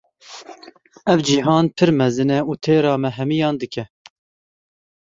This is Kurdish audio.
Ev cîhan pir mezin e û têra me hemûyan dike.